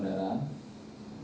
di pengelola bandara